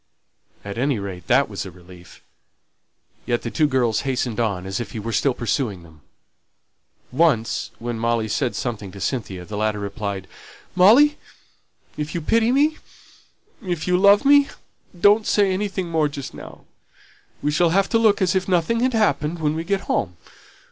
At any rate that was a relief. Yet the two girls hastened on, as if he was still pursuing them. Once, when Molly said something to Cynthia, the latter replied "Molly, if you pity me if you love me don't say anything more just now. We shall have to look as if nothing had happened when we get home.